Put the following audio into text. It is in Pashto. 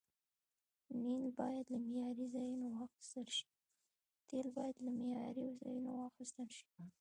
تیل باید له معياري ځایونو واخیستل شي.